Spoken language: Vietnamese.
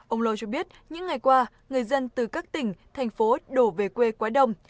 ông lô cho biết những ngày qua người dân từ các tỉnh thành phố đổ về quê quá đông